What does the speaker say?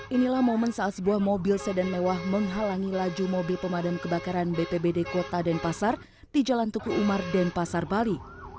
inilah momen saat sebuah mobil sedan mewah menghalangi laju mobil pemadam kebakaran bpbd kota denpasar di jalan tuku umar denpasar bali